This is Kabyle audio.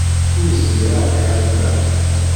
Ur zmireɣ ad k-εandeɣ.